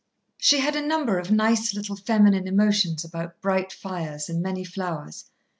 She had a number of nice, little feminine emotions about bright fires and many flowers.